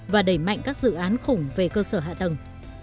và đẩy mạnh các dự án khủng về cơ sở hạ tầng